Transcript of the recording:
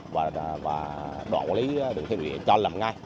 và đoạn quản lý đường thủy nội địa cho làm ngay